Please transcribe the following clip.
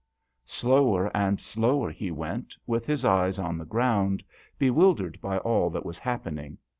BLOWER and slower he went, with his eyes on the ground, bewildered by all that was happen ing.